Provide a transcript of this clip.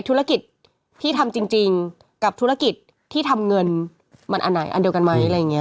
ธุรกิจพี่ทำจริงกับธุรกิจที่ทำเงินมันอันไหนอันเดียวกันไหมอะไรอย่างนี้